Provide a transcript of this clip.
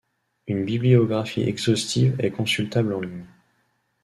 Une bibliographie exhaustive est consultable en ligne.